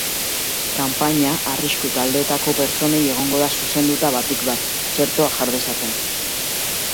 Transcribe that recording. Kanpaina arrisku taldeetako pertsonei egongo da zuzenduta batik bat, txertoa jar dezaten.